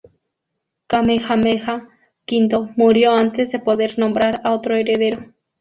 Kamehameha V murió antes de poder nombrar a otro heredero.